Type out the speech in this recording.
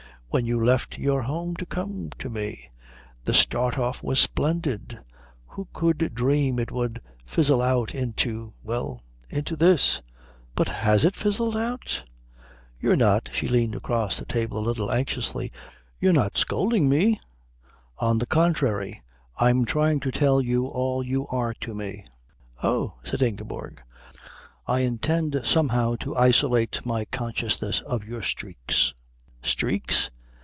"When you left your home to come to me. The start off was splendid. Who could dream it would fizzle out into well, into this?" "But has it fizzled out? You're not" she leaned across the table a little anxiously "you're not scolding me?" "On the contrary, I'm trying to tell you all you are to me." "Oh," said Ingeborg. "I intend somehow to isolate my consciousness of your streaks " "Streaks?"